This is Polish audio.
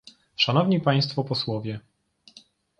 Szanowni państwo posłowie